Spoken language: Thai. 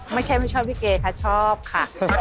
ไม่ใช่ไม่ชอบลิเกค่ะชอบค่ะ